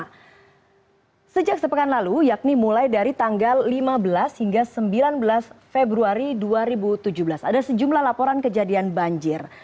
nah sejak sepekan lalu yakni mulai dari tanggal lima belas hingga sembilan belas februari dua ribu tujuh belas ada sejumlah laporan kejadian banjir